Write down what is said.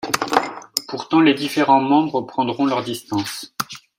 Pourtant les différents membres prendront leurs distances.